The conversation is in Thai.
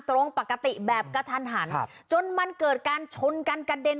ตรงปกติแบบกระทันหันครับจนมันเกิดการชนกันกระเด็น